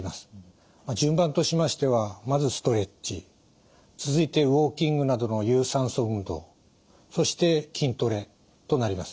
順番としましてはまずストレッチ続いてウォーキングなどの有酸素運動そして筋トレとなります。